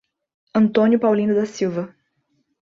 Antônio Paulino da Silva